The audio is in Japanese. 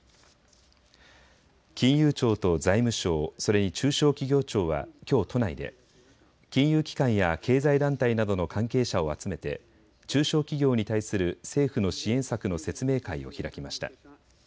金融庁と財務省、それに中小企業庁はきょう都内で金融機関や経済団体などの関係者を集めて中小企業に対する政府の支援策の説明会を開きました。